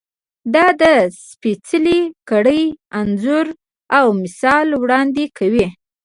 دا د سپېڅلې کړۍ انځور او مثال وړاندې کوي.